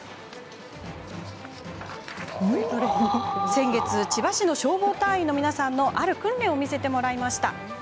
先月、千葉市の消防隊員の皆さんのある訓練を見せてもらいました。